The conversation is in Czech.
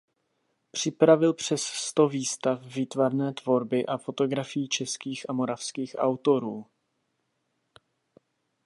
Připravil přes sto výstav výtvarné tvorby a fotografií českých a moravských autorů.